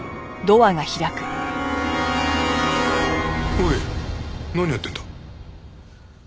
おい何やってんだ？